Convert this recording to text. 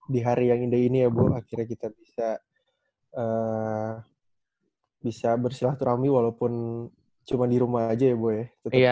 di hari yang indah ini ya bo akhirnya kita bisa bersilaturahmi walaupun cuma di rumah aja ya bo ya